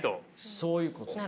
そういうことです。